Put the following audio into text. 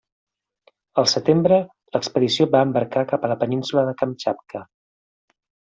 Al setembre, l'expedició va embarcar cap a la península de Kamtxatka.